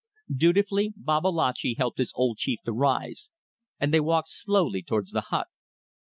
Dutifully Babalatchi helped his old chief to rise, and they walked slowly towards the hut.